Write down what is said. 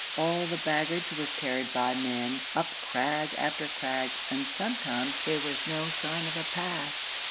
All the baggage was carried by men, up crag after crag, and sometimes there was no sign of a path.